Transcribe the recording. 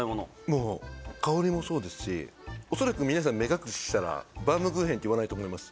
もう香りもそうですし恐らく皆さん目隠ししたらバウムクーヘンって言わないと思います。